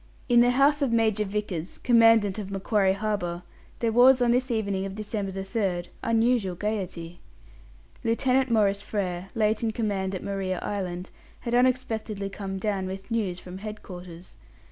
In the house of Major Vickers, Commandant of Macquarie Harbour, there was, on this evening of December 3rd, unusual gaiety. Lieutenant Maurice Frere, late in command at Maria Island, had unexpectedly come down with news from head quarters.